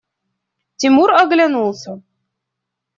Тимур оглянулся.